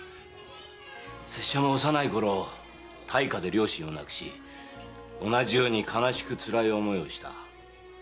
拙者も幼いころ大火で両親を亡くし同じように悲しくつらい思いをした。